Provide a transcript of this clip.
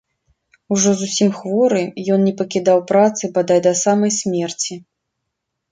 Ужо зусім хворы, ён не пакідаў працы бадай да самай смерці.